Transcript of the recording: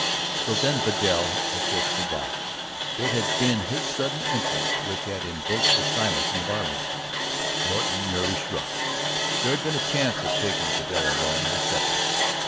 So then Vidal had just arrived, it had been his sudden entrance which had invoked the silence in the barroom. Norton merely shrugged; there had been a chance of taking Vidal alone, intercepting him.